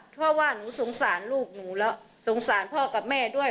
เพราะว่าหนูสงสารลูกหนูแล้วสงสารพ่อกับแม่ด้วย